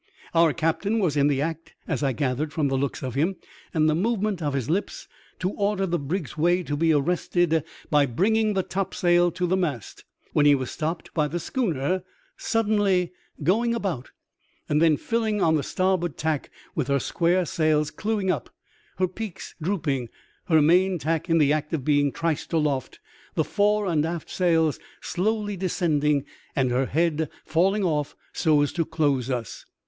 Our captain was in the act, as I gathered from the looks of him and the movement of his lips, to order the brig's way to be arrested by bringing the topsail to the mast, when he was stopped by the schooner suddenly going about, then filling on the starboard tack with her square sails clewing up, her peak drooping, her main tack in the act of being triced aloft, the fore and aft sails slowly descending, and her head falling off so as to close us.